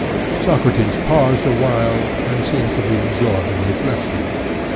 Socrates paused awhile, and seemed to be absorbed in reflection.